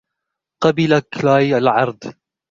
قبل كلاي العرض.